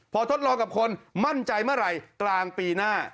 พอทดลองกับคนมั่นใจเมื่อไหร่กลางปีหน้า